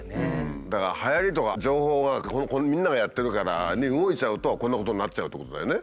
だからはやりとか情報がみんながやってるからに動いちゃうとこんなことになっちゃうってことだよね。